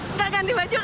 enggak ganti baju kan